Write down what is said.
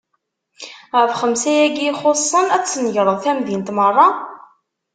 Ɣef xemsa-agi ixuṣṣen, ad tesnegreḍ tamdint meṛṛa?